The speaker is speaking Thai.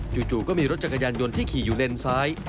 จู่ก็มีรถจักรยานยนต์ที่ขี่อยู่เลนซ้าย